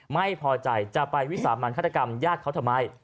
ไม่พอใจจะไปวิสามันฆาตกรรมญาติเขาทำไม